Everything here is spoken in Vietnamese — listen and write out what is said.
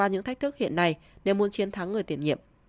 hiện nay nếu muốn chiến thắng người tiền nhiệm